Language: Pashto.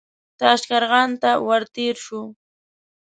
تاشقرغان ته ور تېر شو.